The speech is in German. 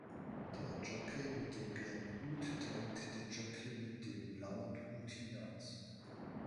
Der Jockey mit dem gelben Hut drängt den Jockey mit dem blauen Hut hinaus